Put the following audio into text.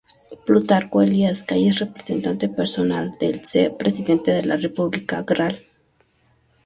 Plutarco Elías Calles, representante personal del C. Presidente de la República Gral.